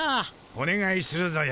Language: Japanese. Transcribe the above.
おねがいするぞよ。